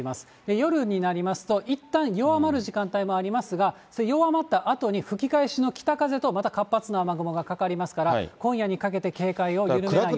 夜になりますと、いったん弱まる時間帯もありますが、弱まったあとに吹き返しの北風とまた活発な雨雲がかかりますから、今夜にかけて警戒を緩めないように。